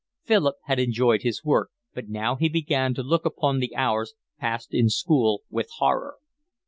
Philip had enjoyed his work, but now he began to look upon the hours passed in school with horror.